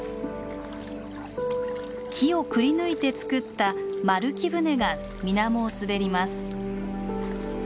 木をくりぬいて作った丸木舟が水面を滑ります。